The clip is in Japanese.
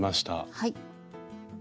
はい。